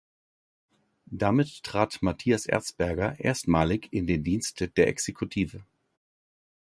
Damit trat Matthias Erzberger erstmalig in den Dienst der Exekutive.